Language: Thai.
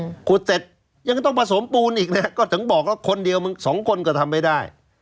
ขุดเสร็จยังต้องผสมปูนอีกนะฮะก็ถึงบอกแล้วคนเดียวมึงสองคนก็ทำไม่ได้